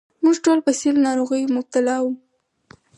موږ ټول په سِل ناروغۍ مبتلا وو.